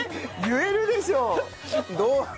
言えるでしょ。